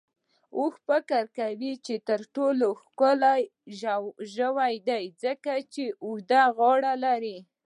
اوښ فکر کوي چې تر ټولو ښکلی ژوی دی، ځکه چې اوږده غاړه لري.